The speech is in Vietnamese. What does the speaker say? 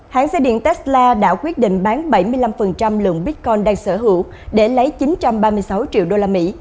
hãng xe điện tesla đã quyết định bán bảy mươi năm lượng bitcoin đang sở hữu để lấy chín trăm ba mươi sáu triệu usd